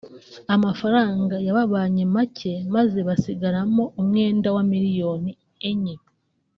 amafaranga yababanye make maze basigaramo umwenda wa miliyoni enye